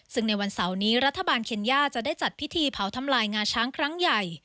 ซึ่งในวันเสาร์นี้รัฐบาลเคนย่าจะได้จัดพิธีเผาทำลายงาช้างครั้งใหญ่